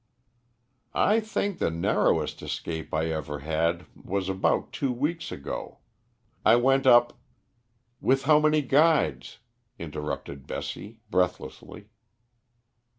"I think the narrowest escape I ever had was about two weeks ago. I went up " "With how many guides?" interrupted Bessie breathlessly.